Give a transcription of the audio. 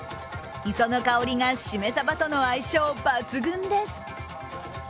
磯の香りがしめサバとの相性抜群です。